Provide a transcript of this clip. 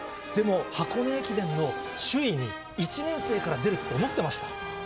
でも、箱根駅伝の首位に１年生から出るって思ってました？